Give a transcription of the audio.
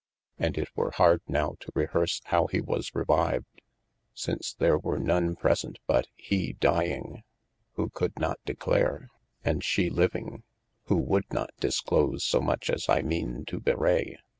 And It were hard nowe to rehearse how he was revyved, since there were none presente but hee dying, (who could not declare) and she living, who would not disclose so much as I meane to bewraye.